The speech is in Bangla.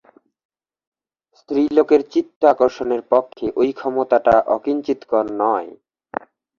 স্ত্রীলোকের চিত্ত-আকর্ষণের পক্ষে ঐ ক্ষমতাটা অকিঞ্চিৎকর নয়।